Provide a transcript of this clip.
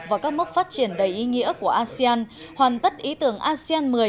vào các mốc phát triển đầy ý nghĩa của asean hoàn tất ý tưởng asean một mươi